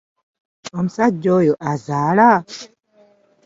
Omusajja oyo azaala?